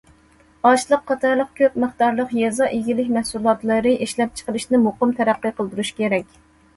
ئاشلىق قاتارلىق كۆپ مىقدارلىق يېزا ئىگىلىك مەھسۇلاتلىرى ئىشلەپچىقىرىشنى مۇقىم تەرەققىي قىلدۇرۇش كېرەك.